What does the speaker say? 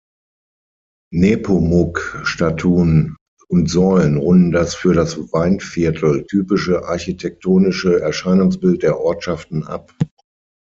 Nepomuk-Statuen und Säulen runden das für das Weinviertel typische architektonische Erscheinungsbild der Ortschaften ab.